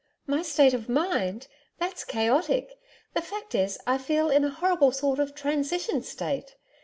'My state of mind! That's chaotic. The fact is, I feel in a horrible sort of transition state....